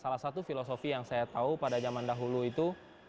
salah satu filosofi yang saya tahu pada zaman dahulu itu